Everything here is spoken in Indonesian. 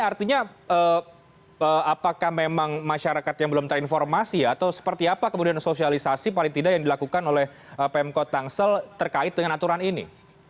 artinya apakah memang masyarakat yang belum terinformasi atau seperti apa kemudian sosialisasi paling tidak yang dilakukan oleh pemkot tangsel terkait dengan aturan ini